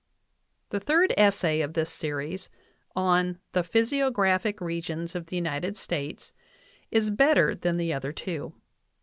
The third essay of this series, on the "Physiographic Re gions of the United States," is better than the other two.